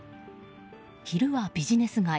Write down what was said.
昼はビジネス街